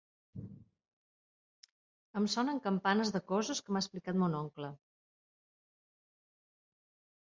Em sonen campanes de coses que m'ha explicat mon oncle.